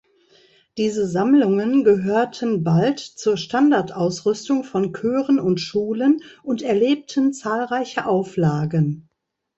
Diese Sammlungen gehörten bald zur Standardausrüstung von Chören und Schulen und erlebten zahlreiche Auflagen.